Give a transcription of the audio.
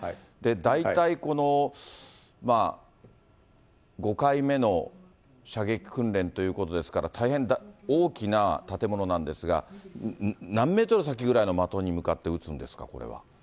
大体この５回目の射撃訓練ということですから、大変、大きな建物なんですが、何メートル先ぐらいの的に向かって撃つんですか、これは。